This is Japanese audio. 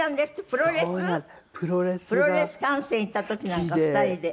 プロレス観戦行った時なんか２人で。